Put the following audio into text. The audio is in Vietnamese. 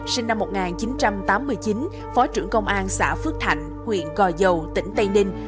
sinh năm một nghìn chín trăm tám mươi chín phó trưởng công an xã phước thạnh huyện gò dầu tỉnh tây ninh